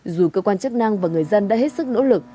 dù cơ quan chức năng và người dân đã hết sức nỗ lực